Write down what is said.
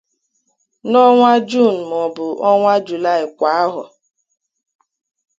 n'ọnwa Juunu maọbụ ọnwa Julaị kwà ahọ